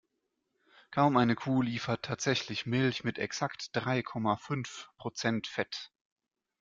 Kaum eine Kuh liefert tatsächlich Milch mit exakt drei Komma fünf Prozent Fett.